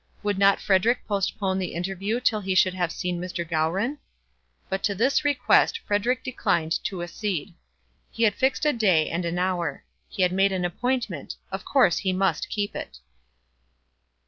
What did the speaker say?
Would not Frederic postpone the interview till he should have seen Mr. Gowran? But to this request Frederic declined to accede. He had fixed a day and an hour. He had made an appointment; of course he must keep it.